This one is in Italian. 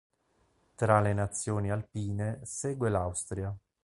Tra le nazioni alpine segue l`Austria.